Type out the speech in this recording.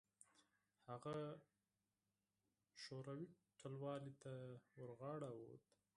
هغه شوروي ټلوالې ته ورغاړه وت.